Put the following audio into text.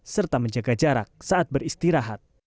serta menjaga jarak saat beristirahat